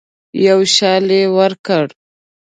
یو شال یې ورکړ.